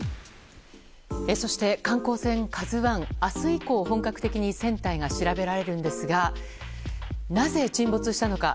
そして、観光船「ＫＡＺＵ１」明日以降、本格的に船体が調べられるんですがなぜ、沈没したのか。